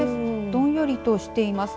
どんよ日としています。